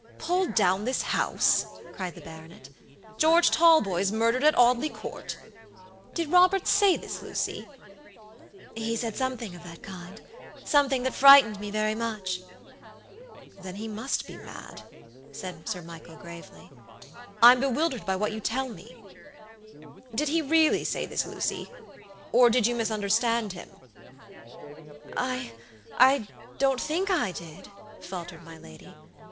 "Pull down this house?" cried the baronet. "George Talboys murdered at Audley Court! Did Robert say this, Lucy?" "He said something of that kindsomething that frightened me very much." "Then he must be mad," said Sir Michael, gravely. "I'm bewildered by what you tell me. Did he really say this, Lucy, or did you misunderstand him?" "IIdon't think I did," faltered my lady.